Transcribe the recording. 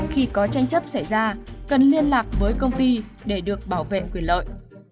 khi có tranh chấp xảy ra cần liên lạc với công ty để được bảo vệ quyền lợi